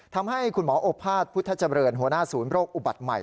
ทำให้คุณหมอโอภาษพุทธเจริญหัวหน้าศูนย์โรคอุบัติใหม่